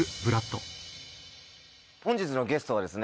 本日のゲストはですね